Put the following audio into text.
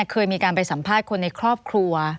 เคยมีการไปสัมภาษณ์คนในครอบครัว